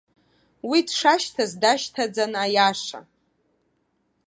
Уи дшашьҭаз дашьҭаӡан аиаша.